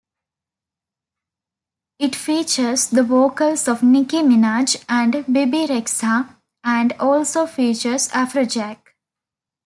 It features the vocals of Nicki Minaj and Bebe Rexha, and also features Afrojack.